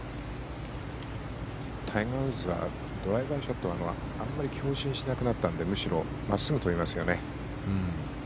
タイガー・ウッズはドライバーショットをあんまり強振しなくなったのでむしろ、真っすぐ飛びますよね。